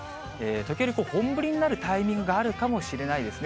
時折本降りになるタイミングがあるかもしれないですね。